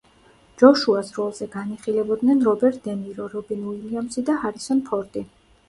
ჯოშუას როლზე განიხილებოდნენ რობერტ დე ნირო, რობინ უილიამსი და ჰარისონ ფორდი.